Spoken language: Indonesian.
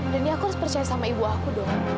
jadi aku harus percaya sama ibu aku dong